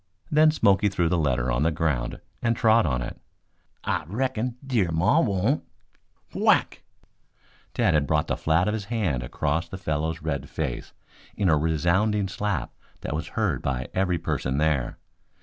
Then Smoky threw the letter on the ground and trod on it. "I reckon Dear Maw won't " Whack! Tad had brought the flat of his hand across the fellow's red face in a resounding slap that was heard by every person there.